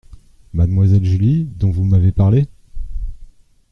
Mademoiselle Julie, dont vous m’avez parlé !